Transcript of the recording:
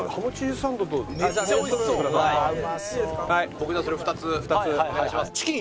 僕じゃあそれ２つお願いします。